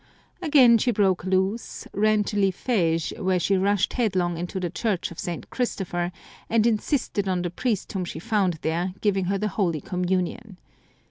Again she broke loose, ran to Lifege, where she rushed headlong into the Church of St. Christopher, and insisted on the priest whom she found there giving her the Holy Communion.